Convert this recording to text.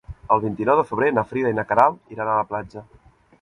El vint-i-nou de febrer na Frida i na Queralt iran a la platja.